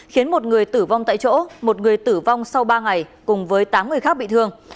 khiến một người tử vong tại chỗ một người tử vong sau ba ngày cùng với tám người khác bị thương